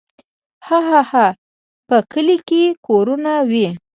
هاهاها په کلي کې کورونه وي.